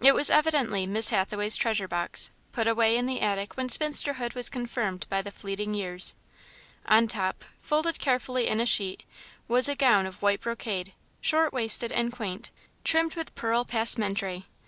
It was evidently Miss Hathaway's treasure box, put away in the attic when spinsterhood was confirmed by the fleeting years. On top, folded carefully in a sheet, was a gown of white brocade, short waisted and quaint, trimmed with pearl passementerie.